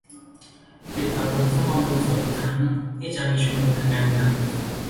ปิดปรับปรุงซ่อมบำรุงทำสวนทุกครั้งที่จะมีชุมนุมทางการเมือง